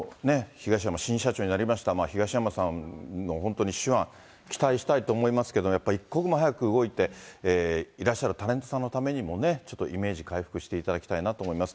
東山新社長になりました、東山さんの手腕、期待したいと思いますけど、やっぱり一刻も早く動いて、いらっしゃるタレントさんのためにもね、ちょっとイメージ回復していただきたいなと思います。